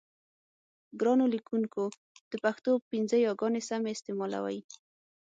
ګرانو لیکوونکو د پښتو پنځه یاګانې سمې استعمالوئ.